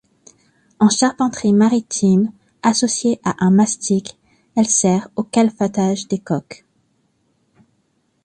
En charpenterie maritime, associée à un mastic, elle sert au calfatage des coques.